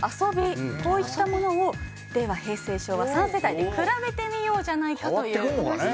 こういったものを令和平成昭和３世代で比べてみようじゃないかという。